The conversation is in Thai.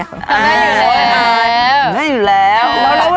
ทำได้อยู่แล้วทำได้อยู่แล้วทำได้อยู่แล้วทำได้อยู่แล้ว